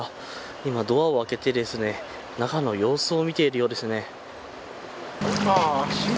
今、ドアを開けて中の様子を見ているようですね。